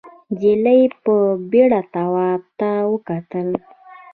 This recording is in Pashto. نجلۍ په بېره تواب ته وکتل.